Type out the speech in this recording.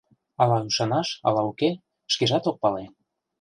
Ала ӱшанаш, ала уке — шкежат ок пале.